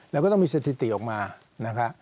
แล้วก็ต้องมีสถิติออกมานะครับ